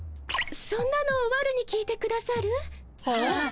そんなのわるに聞いてくださる？はっ？